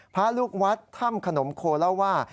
พระลูกวัดถ้ำขนมโคเล่าว่า